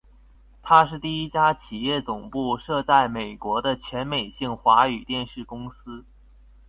它是第一家企业总部设在美国的全美性华语电视公司。